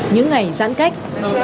những ngày giãn cách